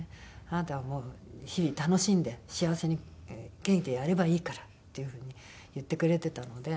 「あなたはもう日々楽しんで幸せに元気でやればいいから」っていう風に言ってくれてたので。